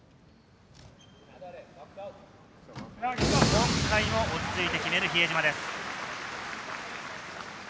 今回も落ち着いて決める比江島です。